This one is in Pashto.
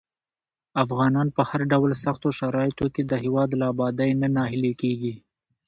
افغانان په هر ډول سختو شرايطو کې د هېواد له ابادۍ نه ناهیلي کېږي.